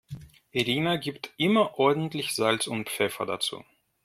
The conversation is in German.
Irina gibt immer ordentlich Salz und Pfeffer dazu.